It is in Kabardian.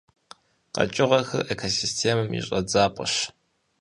КъэкӀыгъэхэр экосистемэм и щӀэдзапӀэщ.